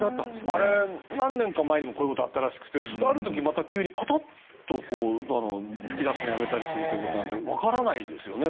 あれ、何年か前にもこういうことがあったらしくてそれである時またパタッと噴き出すのをやめたりするということなのでわからないですよね。